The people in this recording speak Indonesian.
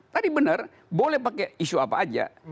tadi benar boleh pakai isu apa aja